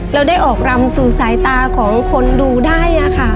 เราได้ออกรำสู่สายตาของคนดูได้ค่ะ